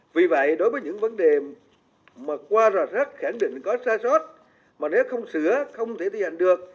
vì vậy đối với những vấn đề mà qua rõ rắc khẳng định có xa xót mà nếu không sửa không thể thi hành được